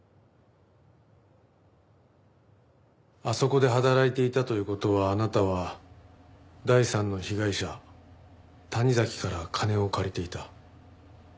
あそこで働いていたという事はあなたは第三の被害者谷崎から金を借りていた。